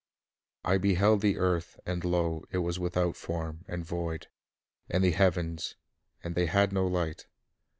"I beheld the earth, and, lo, it was without form, and void; and the heavens, and they had no light.